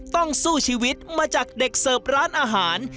ต้องสู้ชีวิตมาจากเด็กเสิร์ฟร้านอาหาร